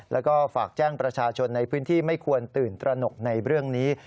แล้วก็ฝากแจ้งประชาชนในพื้นที่ไม่ควรตื่นตระหนกในเรื่องนี้